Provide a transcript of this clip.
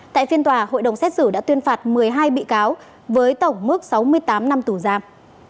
tại phiên tòa hội đồng xét xử đã tuyên phạt một mươi hai bị cáo với tổng mức sáu mươi tám năm tù giam